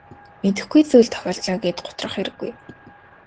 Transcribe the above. Мэдэхгүй зүйл тохиолдлоо гээд гутрах хэрэггүй.